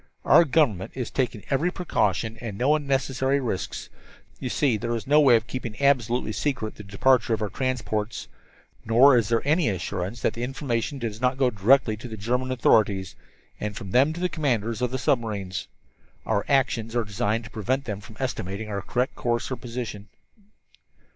"Our government is taking every precaution, and no unnecessary risks. You see, there is no way of keeping absolutely secret the departure of our transports. Nor is there any assurance that the information does not go directly to the German authorities, and from them to the commanders of the submarines. Our actions are designed to prevent them from estimating our course or position.